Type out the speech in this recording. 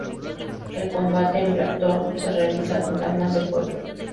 El combate en Blackthorne se realiza con armas de fuego.